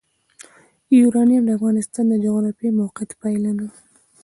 یورانیم د افغانستان د جغرافیایي موقیعت پایله ده.